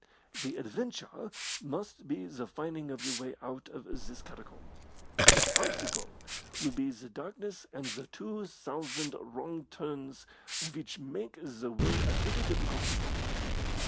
The adventure must be the finding of your way out of this catacomb. The obstacle will be the darkness and the two thousand wrong turns which make the way a little difficult to find.